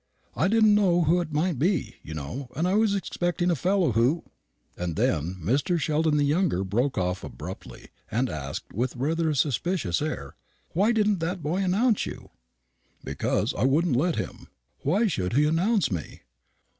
"I didn't know who it might be, you know; and I was expecting a fellow who " And then Mr. Sheldon the younger broke off abruptly, and asked, with rather a suspicious air, "Why didn't that boy announce you?" "Because I wouldn't let him. Why should he announce me?